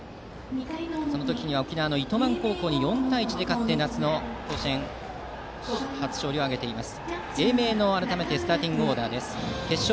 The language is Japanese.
その時には沖縄の糸満高校に４対１で勝って夏の甲子園初勝利を挙げています。